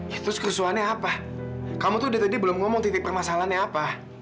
itu kerusuhannya apa kamu tuh udah tadi belum ngomong titik permasalahannya apa